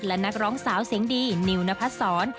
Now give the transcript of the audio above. และนักร้องสาวเสียงดีนิวนพัดศร